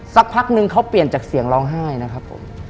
สักพักนึงเขาเปลี่ยนจากเสียงร้องไห้นะครับผม